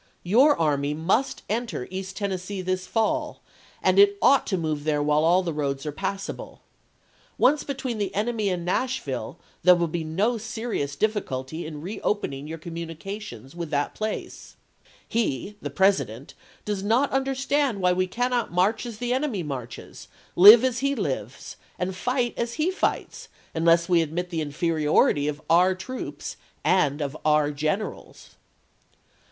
.. Your army must enter East Tennessee this fall and ... it ought to move there while the roads are passable. Once between the enemy and Nashville, there will be no serious diffi culty in reopening your communications with that Hauecbto pl^ce. He [the President] does not understand oc??9 "862. why we cannot march as the enemy marches, live Vol! x^i., as he lives, and fight as he fights, unless we admit the p!^626." inferiority of our troops and of our generals."